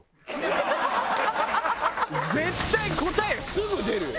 絶対答えすぐ出るよ。